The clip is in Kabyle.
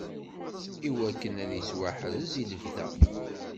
Iwakken ad yettwaḥrez i lebda.